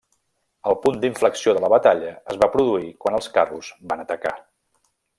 El punt d'inflexió de la batalla es va produir quan els carros van atacar.